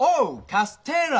カステラ！